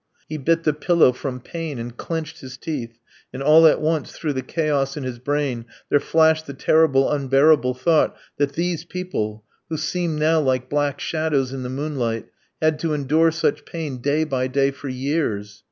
He bit the pillow from pain and clenched his teeth, and all at once through the chaos in his brain there flashed the terrible unbearable thought that these people, who seemed now like black shadows in the moonlight, had to endure such pain day by day for years.